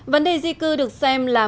vấn đề di cư được xem là